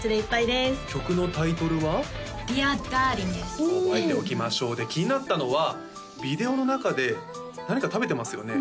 「ＤｅａｒＤａｒｌｉｎ’」です覚えておきましょうで気になったのはビデオの中で何か食べてますよね？